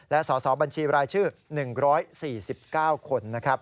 และสอสอบัญชีรายชื่อ๑๔๙คน